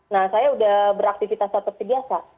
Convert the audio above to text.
nah saya sudah beraktivitas seperti biasa